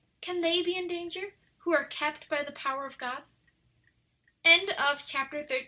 Can they be in danger who are kept by the power of God?" CHAPTER XIV.